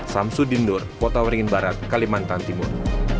samsudin nur kota waringin barat kalimantan timur